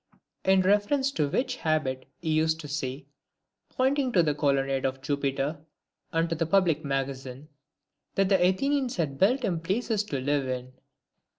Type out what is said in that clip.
In reference to which habit he used to say, pointing to the Colonnade of Jupiter, and to the Public Magazine, " that the Athenians had built him places to live in."